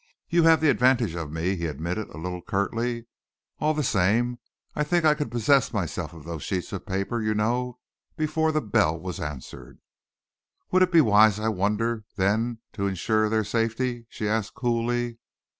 "You have the advantage of me," he admitted, a little curtly. "All the same, I think I could possess myself of those sheets of paper, you know, before the bell was answered." "Would it be wise, I wonder, then, to ensure their safety?" she asked coolly.